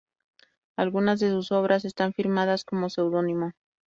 Algunas de sus obras están firmadas con seudónimo.